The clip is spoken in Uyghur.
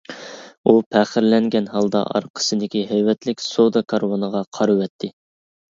ئۇ پەخىرلەنگەن ھالدا ئارقىسىدىكى ھەيۋەتلىك سودا كارۋىنىغا قارىۋەتتى.